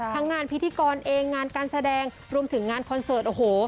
ทั้งงานพิธีกรเองงานการแสดงรวมถึงงานคอนเสิร์ต